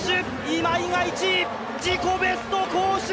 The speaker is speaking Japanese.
今井が１位自己ベスト更新！